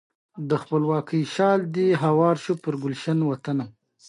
بادرنګ د تازه سبزیو برخه ده.